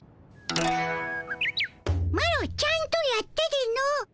マロちゃんとやったでの。